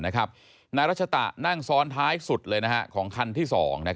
นายรัชตะนั่งซ้อนท้ายสุดเลยของคันที่๒